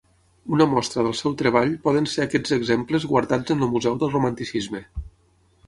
Una mostra del seu treball poden ser aquests exemples guardats en el Museu del Romanticisme.